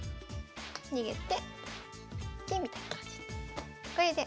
逃げて金みたいな感じで。